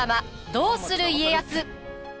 「どうする家康」。